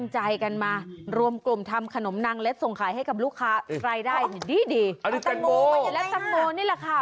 ให้กับลูกค้าใส่ได้ดีดีอันนี้และนี่ล่ะค่ะ